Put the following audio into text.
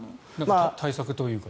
対策というか。